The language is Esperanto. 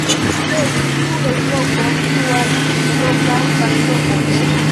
Ĉe ĉi tiu loĝloko situas loka banloko.